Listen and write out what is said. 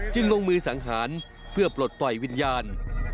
ลงมือสังหารเพื่อปลดปล่อยวิญญาณ